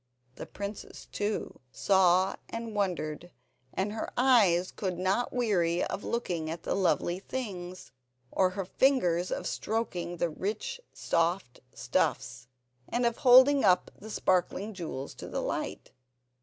The princess too saw and wondered, and her eyes could not weary of looking at the lovely things, or her fingers of stroking the rich soft stuffs, and of holding up the sparkling jewels to the light.